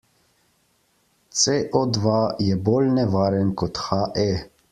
C O dva je bolj nevaren kot He.